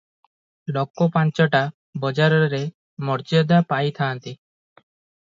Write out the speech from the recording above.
ଲୋକ ପାଞ୍ଚଟା ବଜାରରେ ମର୍ଯ୍ୟାଦା ପାଇ ଥାଅନ୍ତି ।